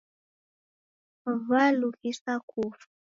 W'alughisa kufwa